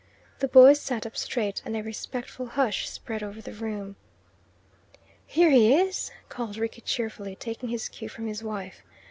The boys sat up straight, and a respectful hush spread over the room. "Here he is!" called Rickie cheerfully, taking his cue from his wife.